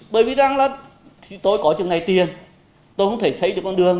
bởi vì rằng là tôi có chừng này tiền tôi không thể xây được con đường